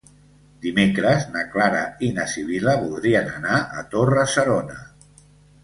Dimecres na Clara i na Sibil·la voldrien anar a Torre-serona.